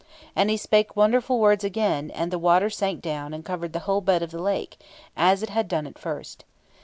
And he spake wonderful words again, and the water sank down, and covered the whole bed of the lake, as it had done at first.